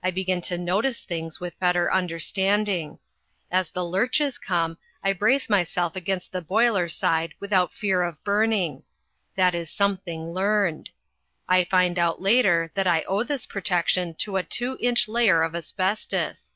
I begin to notice things with better understanding. As the lurches come, I brace myself against the boiler side without fear of burning; that is something learned. I find out later that I owe this protection to a two inch layer of asbestos.